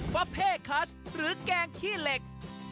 ะเพศคัสหรือแกงขี้เหล็ก